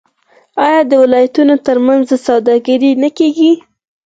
آیا د ولایتونو ترمنځ سوداګري نه کیږي؟